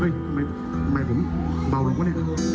เอ่ออยากไกล